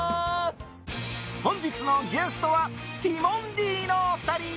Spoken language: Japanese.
本日のゲストはティモンディのお二人。